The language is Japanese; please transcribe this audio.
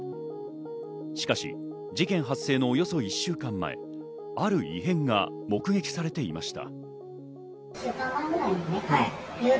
しかし、事件発生のおよそ１週間前、ある異変が目撃されていました。